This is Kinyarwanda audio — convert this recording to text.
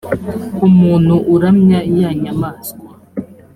umuntu uramya ya nyamaswa